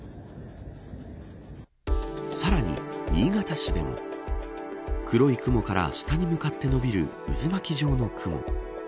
さらに新潟市でも黒い雲から下に向かって伸びる渦巻き状の雲。